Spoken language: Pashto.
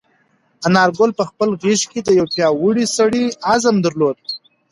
انارګل په خپل غږ کې د یو پیاوړي سړي عزم درلود.